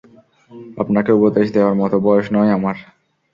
আপনাকে উপদেশ দেয়ার মতো বয়স নয় আমার।